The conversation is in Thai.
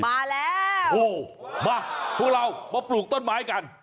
มาแล้วมาพวกเรามาปลูกต้นไม้กัน